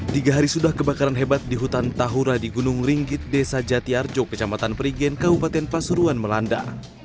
tiga hari sudah kebakaran hebat di hutan tahura di gunung ringgit desa jati arjo kecamatan perigen kabupaten pasuruan melanda